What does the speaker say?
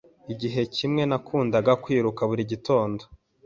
Igihe kimwe, nakundaga kwiruka buri gitondo.